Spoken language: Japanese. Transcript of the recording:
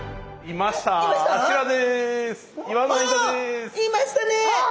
いましたね。